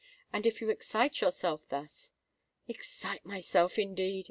And if you excite yourself thus——" "Excite myself, indeed!"